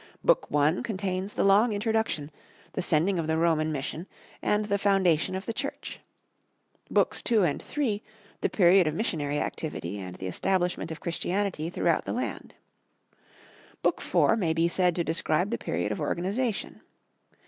Book I contains the long introduction, the sending of the Roman mission, and the foundation of the Church; Books II and III, the period of missionary activity and the establishment of Christianity throughout the land. Book IV may be said to describe the period of organization.